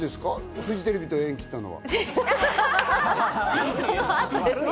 フジテレビと縁を切ったのは。